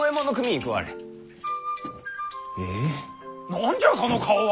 何じゃその顔は！